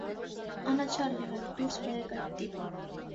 Անաչառ եղեք, դուրս բերեք այդ տիպը: